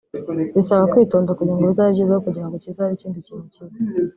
bisaba kwitonda kugira ngo bizabe byiza aho kugira ngo bizabe ikindi kintu kibi